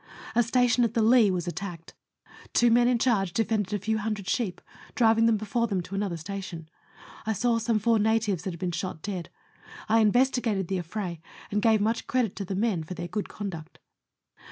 A station at the Leigh was attacked ; two men in charge de fended a few hundred sheep, driving them before them to another station. I saw some four natives that had been shot dead. I investigated the affray, and gave much credit to the men for their good conduct.